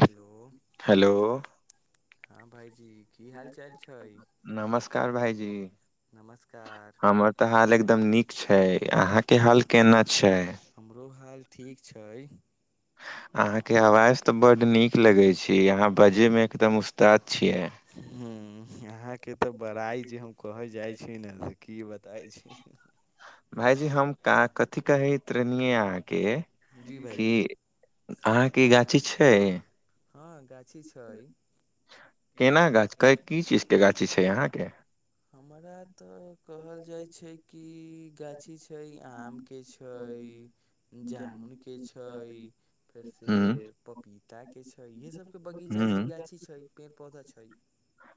hello hello हँ भाइजी की हाल चाल छै नमस्कार भाइजी नमस्कार हमर तऽ हाल एकदम नीक छै अहां के हाल केना छै हमरो हाल ठीक छै अहाँके आवाज तऽ बड्ड नीक लगैत छै अहाँ बाजैमे एकदम उस्ताद छियै हू यहााँ के तऽ बड़ाई जे हम कहे जाय छी ने तऽ की बताय छी भायजी हम कथी कहैतै रहेनिय अहाँ के जी की भाइजी अहाँ के ई गाछी छै हँ गाछी छै केना गाछ की चीज के गाछी छै अहाँ के हमरा तऽ कहल जाइ छै कि गाछी छै आम के छै जामुन के छैय फेर से हूँ पपीता के छै इएहे सबके बगीचा छै हूँ गाछी छै पेड़ पौधा छै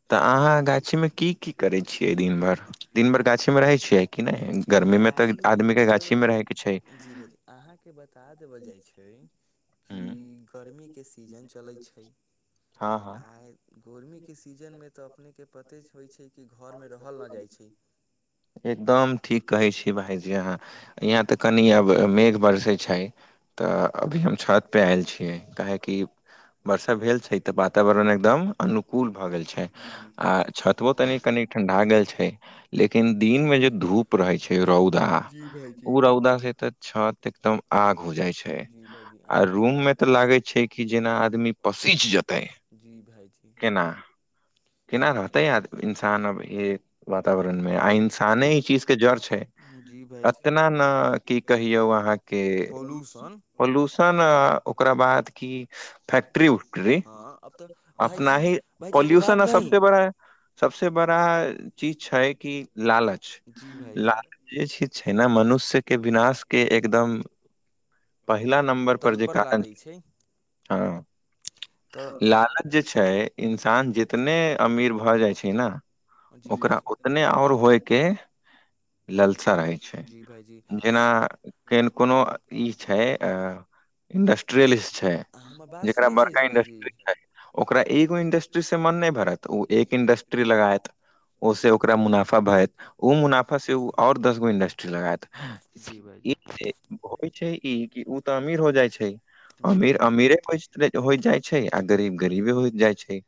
तऽ अहाँ गाछी में की की करे छियै दिन भर दिन भर गाछी मे रहै छियै कि नहि गर्मी मे तऽ गाछीमे आदमी के गाछी मे रहै कऽ छै अहाँ के बता देवल जाइ छै हूँ कि गर्मी के सीजन चलै छै हँ [inaudible] हँ आइ गर्मीके सीजनमे तऽ अपनेके पते होइ छै कि घरमे रहल नहि जाइ छै एकदम ठीक कहै छी भायजी अहाँ यहाँ तऽ कनि अब मेघ बरसे छै तऽ अभी हम छतपर आयल छियै काहेकि वर्षा भेल छै तऽ वातावरण एकदम अनुकूल भए गेल छै जी आ छतबो तनी कनि ठंडा गेल छै लेकिन दिन में जे धूप रहे छै रौदा जी [inaudible] भाइजी उ र रोउदा से तऽ छत एकदम आग हो जाइ छै आ रूम मे तऽ लागे छै कि जेना आदमी पसीज जेतै जी भाइजी केना [inaudible] केनाै य इन्सान अब हे वातावरण इंसाने ई चीज के जर छै जी भाइजी इतना ने की कहियौ अहाँ के पॉल्यूशन आ ओकरा बाद की फैक्ट्री हँ अब तऽ अपना भाइजी ही भाइजी एगो बात पोल्यूशन ह कही सबस बड़ा है सबसे बड़ा चीज छै कि लालच जी भाइजी लाल जे चीज छै ने मनुष्य के विनाश के एकदम पहिला नंबर पर जे तत्पर ला कारण [inaudible] दै छै तऽ हँ लालच जे छै इन्सान जितने अमीर भऽ जाइ छै न जी भाइजी ततने ओर होइके ललसा रहै छै जी भाइजी जेना आ केन कोनो ई छै अ इंडस्ट्रियलिस्ट छै हमर बात जेकरा सुनै छै बड़का जी भाइजी इंडस्ट्री छै ओकरा एगो इंडस्ट्री से मन नहि भरत ओ एक इंडस्ट्री लगएत ओे से ओकरा मुनाफा भेल ओ मुनाफा से ओ ओर दस गो इंडस्ट्री लगत जी भाइजी होइ छै ई कि ओ तऽ अमीर हो जाइ छै जी अमीर भाइजी अमीरे हो होइ जाइ छै आ गरीब गरीबे हो जाइ छै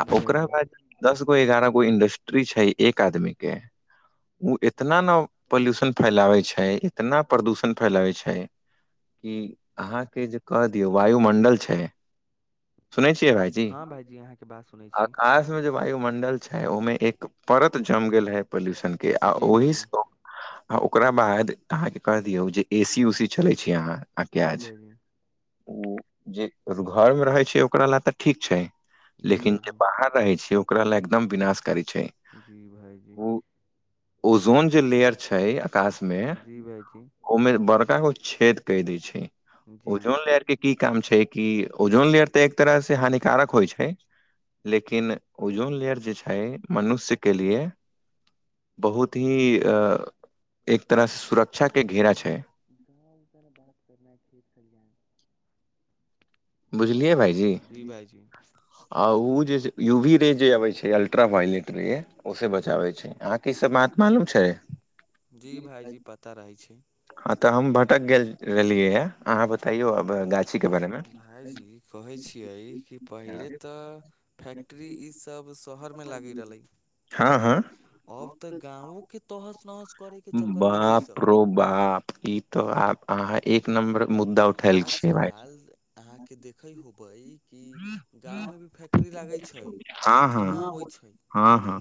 आ ओकरा भाइजी बाद दस गो एगारह गो इंडस्ट्री छै एक आदमी के ओ इतना ने पोल्यूशन फैलाबै छै इतना प्रदूषण फैलाबै छै हु अहाँके जे क दियौ वायुमंडल छै [inaudible] सुनै छियै भाईजी अहाँ के बात सुनै छी आकाश मे जे वायुमंडल छै ओहिमे एक परत जम गेल है पॉल्यूशन के आ जी ओहि भाइजी स आ ओकरा बाद अहाँ के कह दियौ जे ए सी उसी चलै छी अहाँ आ जी क्याज भाइजी [inaudible] ओ जे घर मे रहै छै ओकरा लए तऽ ठीक छै जी लेकिन जे भाइजी बाहर रहै छै ओकरा लए एकदम विनाशकारी छै जी भाइजी ओ ओजोन जे लेयर छै आकाश मे जी भाइजी जी जी ओमे बड़का गो छेद कई दइ छै ओजोन लेयर के की काम छै कि ओजोन लेयर तऽ एक तरह से हानिकारक होइ छै लेकिन ओजोन लेयर जे छै मनुष्यके लिए बहुत ही एक तरहसँ सुरक्षा क घेरा छै [unintelligible] बुझलियए भाईजी [unintelligible] आ उ जे यूवी रे जे अवे छै अल्ट्रा वायलेट रे ओस बचाबे छै आ के इ सब बात मालूम छै जी भाइजी पता रहैत छै हँ तऽ हम भटक गेल रहलियै ह अहाँ बताइयौ आब गाछीके बारेमे भाय जी कहे छियै कि पहले तऽ फैक्ट्री ई सब शहर मे लागी रहलै [inaudible] हँ हँ अब तऽ गाँव के तहस नहस करे के चक्कर में है इ बाप सब रो बाप ई तो आब अहाँ एक नम्बर मुद्दा उठल छियै भाय आजकल अहाँके देखे होबे कि गाँव मे भी फैक्ट्री लागैत छै आ हँ हँ धुआँ होइ छै हँ हँ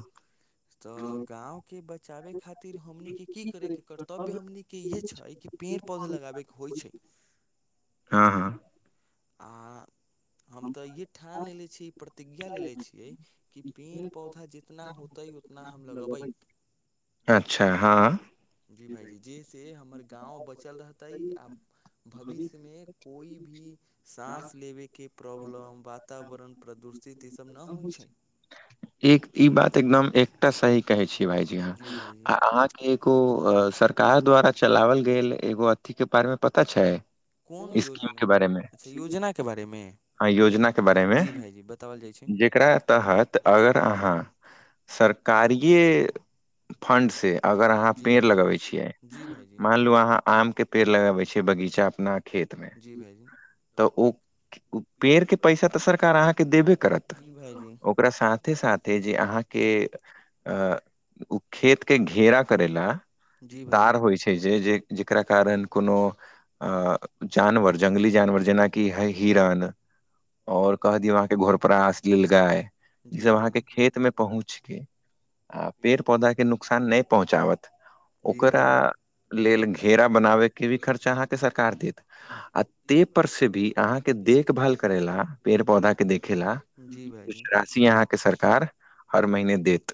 तऽ गाँव के बचाबे खातिर हमनी की करय के करतै तब भी हमनी के इहे छै कि पेड़ पौधा लगाबैके होइ छै [unintelligible] आ हम तऽ ई ठान लेले छियै ई प्रतिज्ञा ले छियै कि पेड़ पौधा जितना होतै उतना हम लगेबै अच्छा हँ जी भायजी जे से हमर गाँव बचल रहतै आ भविष्यमे कोइ भी साँस लेबयके प्रॉब्लम वातावरण प्रदूषित ईसभ नहि होइत छै एक ई बात एकदम एकटा सही कहे छी भायजी ह जी भाईजी आ अहाँ एगो सरकार द्वारा चलावल गेल एगो अथी के बारे मे पता छै कोन स्कीम योजना के बारे मे अच्छा योजनाके बारेमे हँ योजना के बारे मे जी भायजी बता बल जाइ छै जेकरा तहत अगर अहाँ [inaudible] सरकारीए फणड से अगर अहाँ जी पेड़ भाईजी लगबै छियै जी भाईजी मान लु अहाँ आम के पेड़ लगाबे छै बगीचा अपना खेत मे जी भाईजी तऽ [inaudible] ओ ओ पेड़ के पैसा तऽ सरकार अहाँके देबे करत जी भाइजी ओकरा साथ साथे साथे जे अहाँके अ ओ खेत के घेरा करे ला जी भाइजी तार होइ छै जे जे जेकरा कारण कोनो अ जानवर जंगली जानवर जेनाकि हय हिरण और कह दियऔ अहाँके घोड़ परास लिल गाय ई जी सब अहाँके भाइजी खेत मे पहुँचके गेल आ पेड़ पौधाके नुकसान नहि पहुँचाबत जी ओकरा भाइजी लेल घेरा बनाबैके भी खर्चा अहाँके सरकार देत आ तेहि पर से भी अहाँके देखभाल करे ला पेड़ पौधा के देखे ला जी कुछ भाइजी राशि यहा सरकार हर महीने देत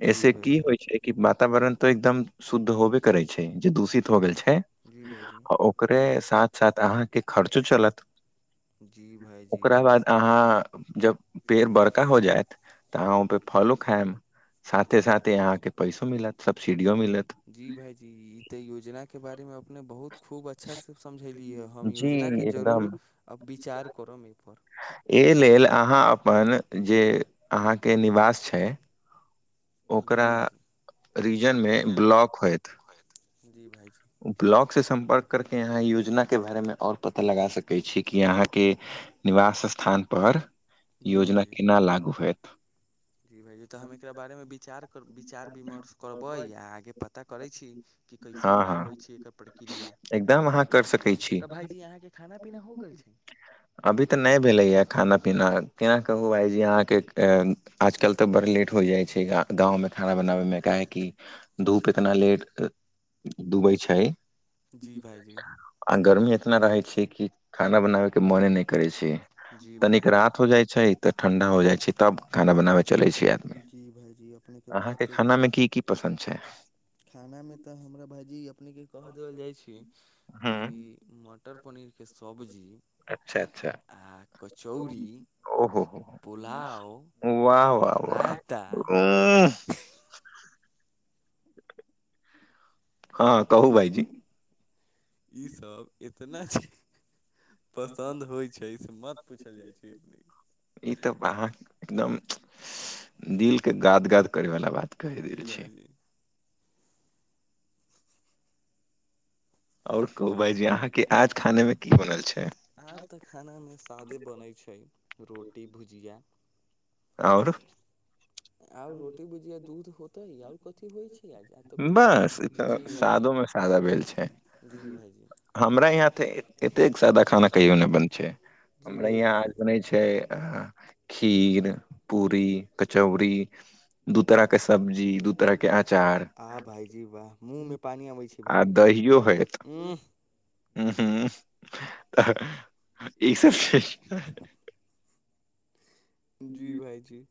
[inaudible] जी ऐे की भाइजी होइ छै कि वातावरण तऽ एकदम शुद्ध होबे करै छै जे दूषित हो गेल छै जी भाइजी ओकरे साथ साथ अहाँके खर्च चलत जी भायजी ओकरा बाद अहाँ जब पेड़ बड़का हो जायत तऽ अहाँ ओहिपे फलो खायम साथे साथे अहाँके पैसो मिलत सब्सिडियो मिलत जी भाईजी ई तऽ योजन के बारे मे अपने बहुत खूब अच्छासँ समझेली हँ हम जी योजनाके एकदम जरूरब विचार करब एहिपर एहि लेल अहाँ अपन जे अहाँके निवास छै जी ओकरा भाइजी रीजन मे [unintelligible] जी भाइजी ब्लॉग से सम्पर्क करके यहाँ योजना के बारे मे और पता लगा सकैत छी कि अहाँ के निवास स्थान पर जी योजना भाईजी केना लागू होयत जी भाईजी तऽ हम एकरा बारे मे विचार कर विचार विमर्श करबै आ आगे पता करै छी कि कैसे हँ का हँ होइ छै एकर प्रक्रिया एकदम अहाँ कर सकै छी तऽ भाईजी अहाँ के खाना पीना हो गेल छै अभी तऽ नहि भेले ये खाना पीना केना कहू भईजी अहाँ के आजकल तऽ बड़ लेट होइ जाइ छै ग गाँव मे खाना बनाबै मे काहेकि धूप इतना लेट डूबै छै जी भाइजी आ गर्मी इतना रहै छै कि खाना बनाबे के मोने नहि करै छी जी तनिक भाइजी रात हो जाइ छै तऽ ठण्डा हो जाइ छै तब खाना बनाबे चलै छै आदमी जी भाइजी अपनेके अहाँके बात खाना एकदम मे की की पसन्द छै खानामे तऽ हमरा भाइजी अपनेके कह देल जाइत छै हूँ कि मट मटर पनीरके सब्जी अच्छा अच्छा आ कचौड़ी ओहो हो पोलाव रायता ऐंह हँ कहू भाइजी ईसभ एतना छै पसन्द होइ छै से मत पूछल जाइ छै अपने ई तऽ अहाँ एकदम दिल के गाद गाद करै वाला बात कहि जी देल छै भाइजी ओर कहू भाइजी अहाँके आज खाने मे की बनल छै आब तऽ खाना मे सादे बनैत छै रोटी भुजिया आओर आओर रोटी भुजिया दूध होतै आओर कथी होइ छै आज आ तऽ कुछो नहि बस छै जी भाइजी सादो मे सादा भेल छै जी भाइजी हमरा यहाँ तऽ एतेक सादा खाना कहियो नहि बने छै जी हमरा अहाँ भाइजी आज बनै छै खीर पूरी कचौरी अचार आहा भाइजी वाह मुँह मे पानि अबै छै भइजी उंम्म उंम्म हूंम्म ई सब जी भाइजी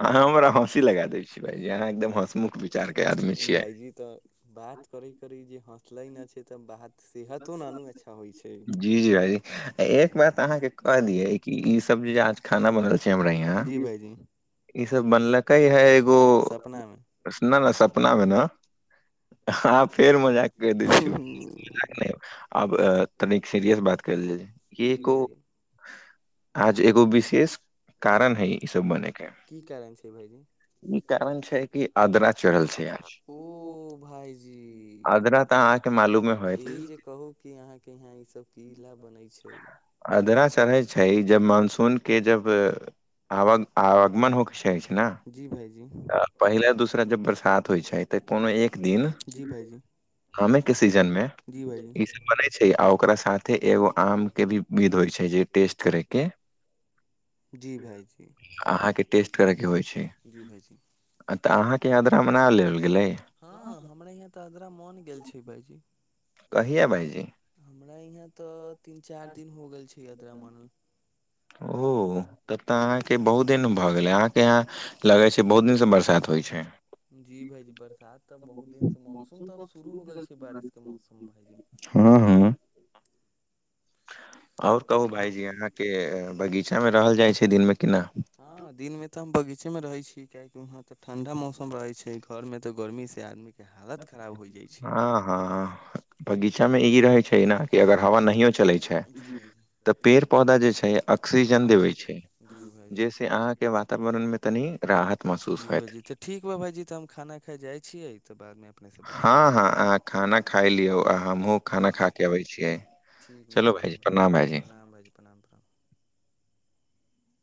अहाँ हमरा हँसी लगा दै छीयै भायजी अहाँ एकदम हँसमुख विचार के आदमी छियै ई तऽ बात करे करे जे हँसले न छै तऽ बात सेहतो नानू अच्छा होइ छै जी जी भाइजी एक बात अहाँके कह दियै कि इ सब जे आज खाना बनल छै हमरा यहाँ जी भायजी ई सब बनलकै ह एगो सपनामे प्रसनल आ सपना मे ना आहाँ फेर मजाक कर देल छी अब तनीक सीरियस बात कर लय जी को भायजी आज एगो विशेष कारण है ईसभ बने के की कारण छै भायजी ई कारण छै कि आद्रा चढ़ल छै आज ओ भायजी आदरा तऽ अहाँ के मालूमे होत इहे जे कहू की अहाँकेँ यहा ई सब की लऽ बने छै अदरा चढ़ै छै जब मानसून केँ जब आवगमन होखै छै ना जी भायजी तऽ पहिला दूसरा जब बरसात होइ छै तऽ कोनो एक दिन जी भायजी आमे केँ सीजन मे जी भाइजी ई सब बनै छै आ ओकरा साथे एगो आम केँ भी विध होइ छै जे टेस्ट करे केँ जी भायजी अहाँकेँ टेस्ट करयके होइ छै जी भायजी तऽ अहाँकेँ आद्रा मना लेवल गेलै हँ हमरा यहाँ तऽ अदरा मन गेल छै भाइजी कहिया भाइजी हमरा यहाँ तऽ तीन चारि दिन हो गेल छै अद्रामनल ओ तब तऽ अहाँकेँ बहुत दिन भऽ गेल अहाँकेँ यहाँ लगै छै बहुत दिन सँ बरसात होइ छै जी भाइजी बरसात तऽ बहुत दिन से मौसम तऽ आब शुरू हो गेल छै बारिश के मौसम भाईजी हँ हँ आओर कहू भाायजी अहाँकेँ बगीचा मे रहल जाइ छै दिनमे की ना हँ दिन मे तऽ हम बगीचे मे रहे छी कियाकि वहाँ तऽ ठंडा मौसम रहे छै घर मे तऽ गर्मी से आदमी केँ हालत खराब होइ जाइ छै हँ हँ हँ बगीचा मे ई रहे छै नऽ कि अगर हवा नहियो चलै छै जी भाईजी तऽ पेड़ पौधा जे छै ऑक्सीजन देबै छै जी भाईजी जैसे अहाँकेँ वातावरण मे तनी राहत महसूस होयत भाइजी तऽ ठीक बा भायजी तऽ हम खाना खाइ जाइ छियै तऽ बादमे अपनेसँ बात हँ होइ छै हँ अहाँ खाना खाय लियौ आ हमहूँ खाना खा केँ अबै छियै ठीक बा चलू भाइजी भायजी प्रणाम भायजी प्रणाम भाइजी प्रणाम प्रणाम